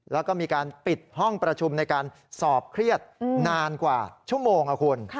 แล้วก็มีการปิดห้องประชุมในการสอบเครียดนานกว่าชั่วโมงนะคุณ